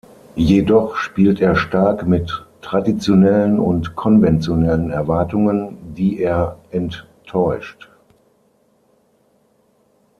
Jedoch spielt er stark mit traditionellen und konventionellen Erwartungen, die er „enttäuscht“.